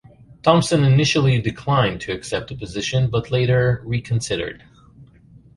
Thompson initially declined to accept the position, but later reconsidered.